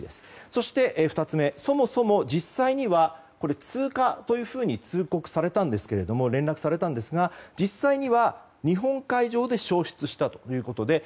そして、２つ目そもそも実際には通過というふうに連絡されたんですが実際には日本海上で消失したということです。